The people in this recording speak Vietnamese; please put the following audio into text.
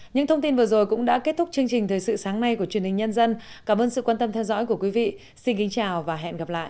những thông tin vừa rồi cũng đã kết thúc chương trình thời sự sáng nay của truyền hình nhân dân cảm ơn sự quan tâm theo dõi của quý vị xin kính chào và hẹn gặp lại